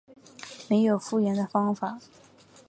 没有复原的方法